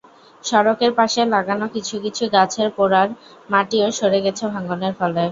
সড়কের পাশে লাগানো কিছু কিছু গাছের গোড়ার মাটিও সরে গেছে ভাঙনের ফলে।